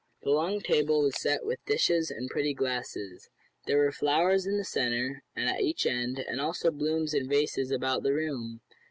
The long table was set with dishes and pretty glasses. There were flowers in the centre, and at each end, and also blooms in vases about the room.